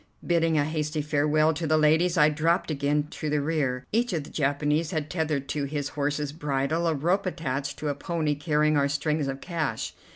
Bidding a hasty farewell to the ladies, I dropped again to the rear. Each of the Japanese had tethered to his horse's bridle a rope attached to a pony carrying our strings of cash.